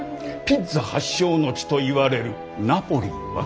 ピッツァ発祥の地といわれるナポリは？